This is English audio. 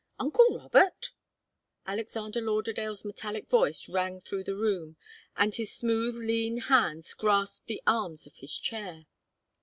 Uncle Robert?" Alexander Lauderdale's metallic voice rang through the room, and his smooth, lean hands grasped the arms of his chair.